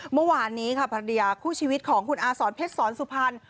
เมื่อวานนี้ค่ะภรรยาคู่ชีวิตของคุณอาสอนเพชรสอนสุพรรณ